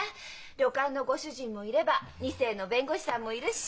旅館のご主人もいれば二世の弁護士さんもいるし。